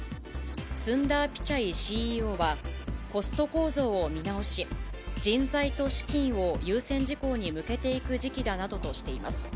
スンダー・ピチャイＣＥＯは、コスト構造を見直し、人材と資金を優先事項に向けていく時期だなどとしています。